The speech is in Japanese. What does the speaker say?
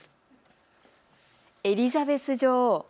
エリザベス女王。